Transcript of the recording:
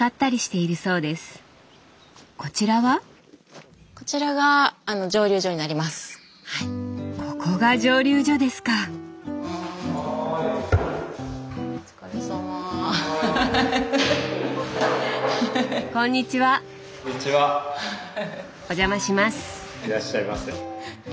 いらっしゃいませ。